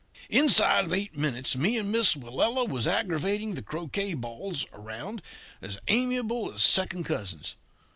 Inside of eight minutes me and Miss Willella was aggravating the croquet balls around as amiable as second cousins.